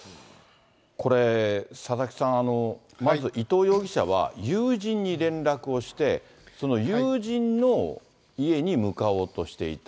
これ、佐々木さん、まず伊藤容疑者は、友人に連絡をして、その友人の家に向かおうとしていた。